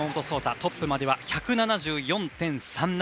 トップまでは１７４．３７。